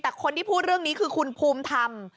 แต่คนที่พูดเรื่องนี้คือคุณภูมิธรรม